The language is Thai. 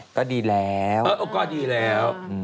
โอเคก็ดีแล้วก็ดีแล้ว